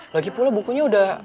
lagi pula bukunya udah